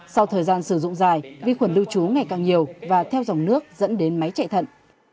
sau thời gian sử dụng dài vi khuẩn lưu trú ngày càng nhiều và theo dòng nước dẫn đến máy chạy thận